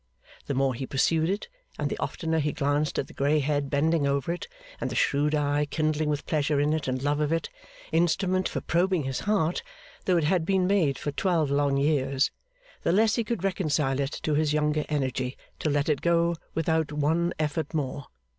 The more he pursued it, and the oftener he glanced at the grey head bending over it, and the shrewd eye kindling with pleasure in it and love of it instrument for probing his heart though it had been made for twelve long years the less he could reconcile it to his younger energy to let it go without one effort more.